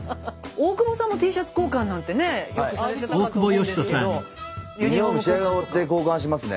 大久保さんもＴシャツ交換なんてねよくされてたかと思うんですけど。